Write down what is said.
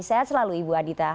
saya selalu ibu adita